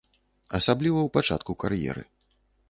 Асабліва ў пачатку кар'еры.